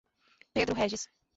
Pedro Régis